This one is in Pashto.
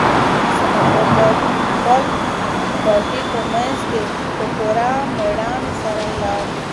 ثمر ګل د خپل پټي په منځ کې په پوره مېړانې سره ولاړ و.